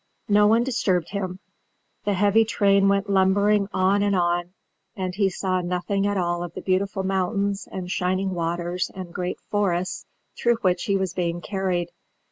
No one disturbed him; the heavy train went lumbering on and on, and he saw nothing at all of the beautiful mountains, and shining waters, and great forests through which he was being carried.